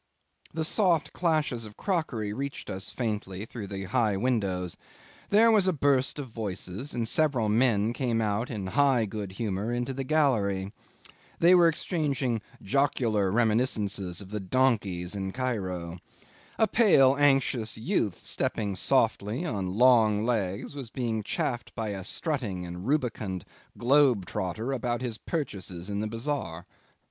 'The soft clashes of crockery reached us faintly through the high windows. There was a burst of voices, and several men came out in high good humour into the gallery. They were exchanging jocular reminiscences of the donkeys in Cairo. A pale anxious youth stepping softly on long legs was being chaffed by a strutting and rubicund globe trotter about his purchases in the bazaar.